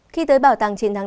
khi tới bảo tàng chiến thắng